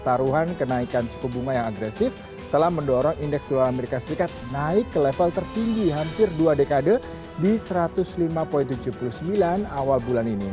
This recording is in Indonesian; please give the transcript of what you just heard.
taruhan kenaikan suku bunga yang agresif telah mendorong indeks dolar as naik ke level tertinggi hampir dua dekade di satu ratus lima tujuh puluh sembilan awal bulan ini